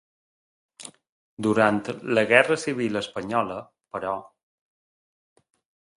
Durant la guerra civil espanyola, però.